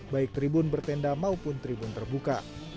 baik tribun bertenda maupun tribun terbuka